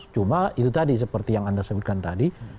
cuma itu tadi seperti yang anda sebutkan tadi